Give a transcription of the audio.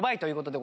で